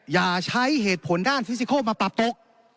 อย่าใช้เหตุผลด้านฟิซิโคลมาปรับตก